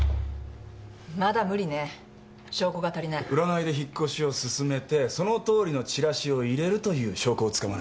占いで引っ越しを勧めてそのとおりのチラシを入れるという証拠をつかまないと。